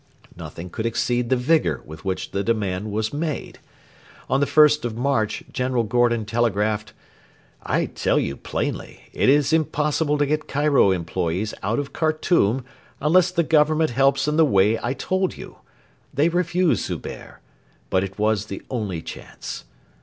nothing could exceed the vigour with which the demand was made. On the 1st of March General Gordon telegraphed: 'I tell you plainly, it is impossible to get Cairo employees out of Khartoum unless the Government helps in the way I told you. They refuse Zubehr.... but it was the only chance.'